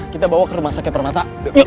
kita bawa ke rumah sakit permata